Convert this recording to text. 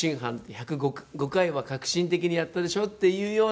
１０５回は確信的にやったでしょっていうような